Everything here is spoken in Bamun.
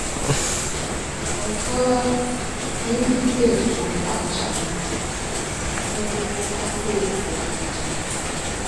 Neká i mbi pé tuo kwet njap me, mbu a pé pu tùtùn.